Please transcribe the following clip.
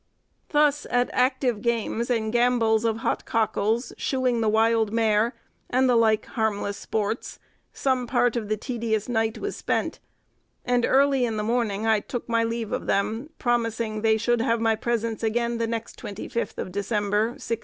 Thus, at active games and gambols of hot cockles, shoeing the wild mare, and the like harmless sports, some part of the tedious night was spent; and early in the morning, I took my leave of them, promising they should have my presence again the next 25th of December, 1653.